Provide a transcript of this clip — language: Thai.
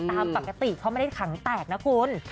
ตามปกติเขาไม่ได้ขังแตกนะคุณ